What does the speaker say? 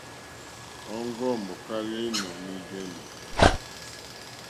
Òŋɡó mòkálá ínɔ̀ní jéní.